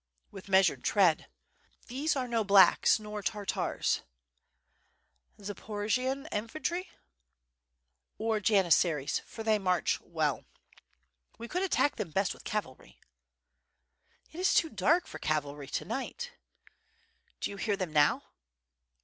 "With measured tread." "These are no 'blacks,* nor Tartars." "Zaporojian infantry?" "Or janissaries, for they march well. We could attack them best with cavalry." "It is too dark for cavalry to night." "Do you hear them now?"